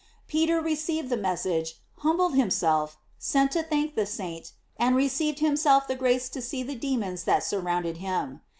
Peter received the message, humbled him self, sent to thank the saint, and received him self the grace to see the demons that surround ed him.